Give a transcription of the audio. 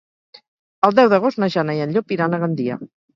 El deu d'agost na Jana i en Llop iran a Gandia.